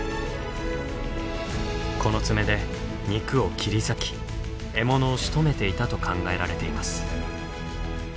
この爪で肉を切り裂き獲物をしとめていたと考えられています。